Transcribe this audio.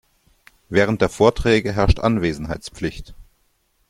Während der Vorträge herrscht Anwesenheitspflicht.